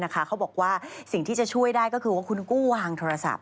เขาบอกว่าสิ่งที่จะช่วยได้ก็คือว่าคุณกู้วางโทรศัพท์